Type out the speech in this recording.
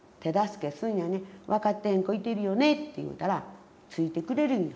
「分かってへん子いてるよね」って言うたらついてくれるんよ。